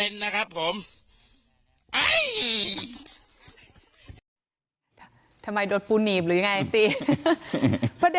นี่ปูนะครับ